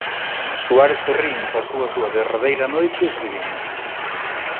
Suárez Ferrín pasou a súa derradeira noite escribindo.